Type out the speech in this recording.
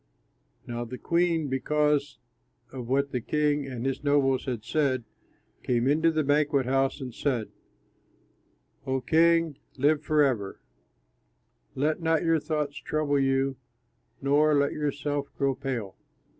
Now the queen, because of what the king and his nobles had said, came into the banquet house and said, "O king, live forever; let not your thoughts trouble you nor let yourself grow pale.